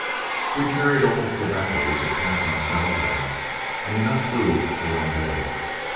We carried all the tobacco we could pack in our saddle bags, and enough food for one day.